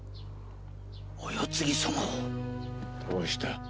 お世継ぎ様を⁉どうした？